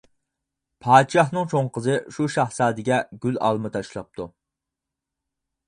پادىشاھنىڭ چوڭ قىزى شۇ شاھزادىگە گۈل، ئالما تاشلاپتۇ.